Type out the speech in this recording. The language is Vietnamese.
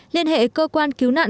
liên hệ cơ quan cứu nạn